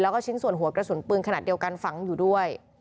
แล้วก็ชิ้นส่วนหัวกระสุนปืนขนาดเดียวกันฝังอยู่ด้วย